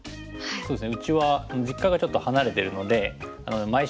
そうですね